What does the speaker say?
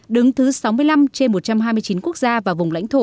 đứng thứ sáu mươi năm trên một trăm hai mươi chín quốc gia